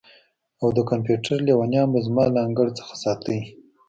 او د کمپیوټر لیونیان به زما له انګړ څخه ساتئ